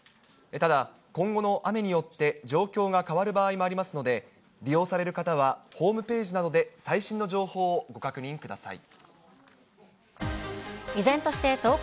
ただ、今後の雨によって状況が変わる場合もありますので、利用される方はホームページなどで最新の情報をご確認ください。